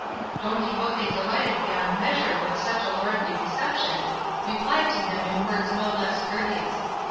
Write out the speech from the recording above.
Don Quixote delighted beyond measure with such a lordly reception, replied to him in words no less courteous.